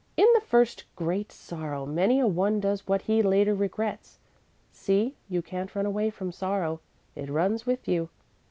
In the first great sorrow many a one does what he later regrets. See, you can't run away from sorrow, it runs with you.